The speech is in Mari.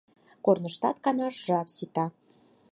— Корныштат канаш жап сита.